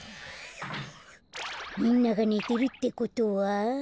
みんながねてるってことは。